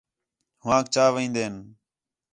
ہوآنک چا وین٘دِن